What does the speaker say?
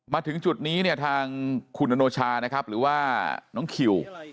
มาถึงจุดนี้เนี่ยทางคุณอโนชานะครับหรือว่าน้องคิว